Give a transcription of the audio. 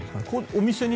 お店に？